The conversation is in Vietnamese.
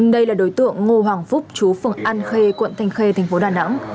đây là đối tượng ngô hoàng phúc chú phường an khê quận thanh khê tp đà nẵng